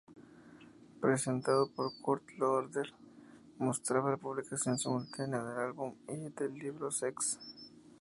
Presentado por Kurt Loder, mostraba la publicación simultánea del álbum y del libro "Sex".